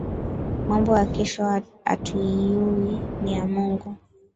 Mambo ya kesho atuiyuwi niya Mungu